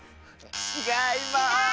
ちがいます！